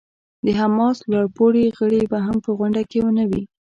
د حماس لوړ پوړي غړي به هم په غونډه کې نه وي.